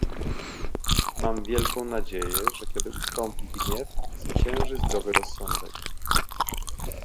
Mam wielką nadzieję, że kiedy ustąpi gniew, zwycięży zdrowy rozsądek